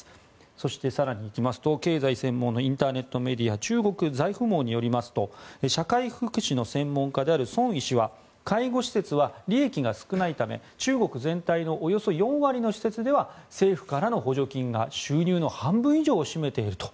そして、更に行きますと経済専門のインターネットメディア中国財富網によりますと社会福祉の専門家であるソン・イ氏は介護施設は利益が少ないため中国全体のおよそ４割の施設では政府からの補助金が収入の半分以上を占めていると。